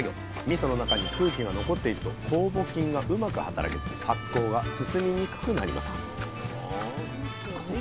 みその中に空気が残っていると酵母菌がうまく働けず発酵が進みにくくなります